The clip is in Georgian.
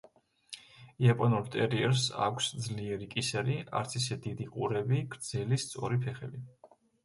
იაპონურ ტერიერს აქვს ძლიერი კისერი, არც ისე დიდი ყურები, გრძელი, სწორი ფეხები.